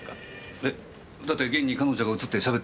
えだって現に彼女が映ってしゃべってましたよ。